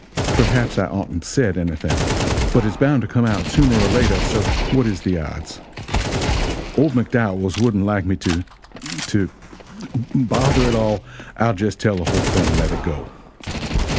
Perhaps I oughtn't said anything, but its bound to come out sooner or later, so what is the odds? Old McDowells wouldn't like me to to bother it all, I'll jest tell the whole thing and let it go.